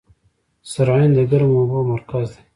سرعین د ګرمو اوبو مرکز دی.